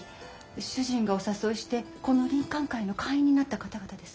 主人がお誘いしてこの林肯会の会員になった方々です。